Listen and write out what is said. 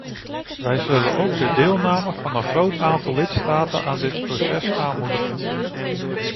Wij zullen ook de deelname van een groot aantal lidstaten aan dit proces aanmoedigen.